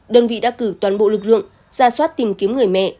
đơn vị đã cử toàn bộ lực lượng ra soát tìm kiếm người mẹ